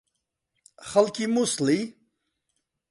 خەڵکی مووسڵی؟